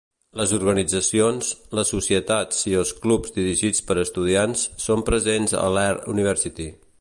Les organitzacions, les societats i els clubs dirigits per estudiants són presents a l'Air University.